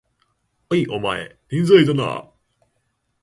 おい、お前天才だな！